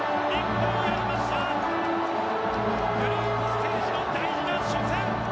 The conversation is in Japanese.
グループステージの大事な初戦